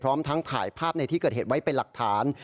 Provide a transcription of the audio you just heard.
พร้อมทั้งถ่ายภาพในที่เกิดเหตุไว้เป็นหลักฐาน